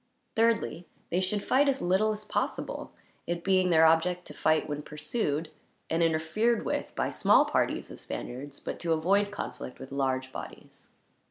Thirdly, they should fight as little as possible; it being their object to fight when pursued and interfered with by small parties of Spaniards, but to avoid conflict with large bodies.